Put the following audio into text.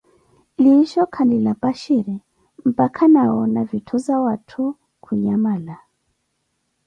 Liisho kalina phazira, mpakha na woona vitthizawatthu kunyamala.